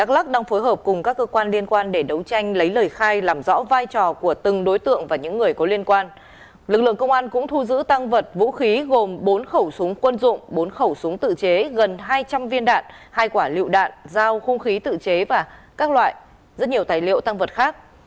lực lượng công an cũng thu giữ tăng vật vũ khí gồm bốn khẩu súng quân dụng bốn khẩu súng tự chế gần hai trăm linh viên đạn hai quả lựu đạn dao khung khí tự chế và các loại rất nhiều tài liệu tăng vật khác